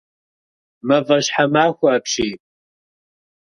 Мафӏэщхьэмахуэ апщий!